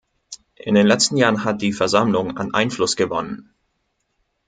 In den letzten Jahren hat die Versammlung an Einfluss gewonnen.